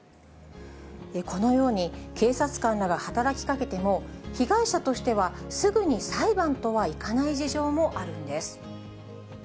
このように、警察官などが働きかけても、被害者としてはすぐに裁判とはいかない事情もあるんです。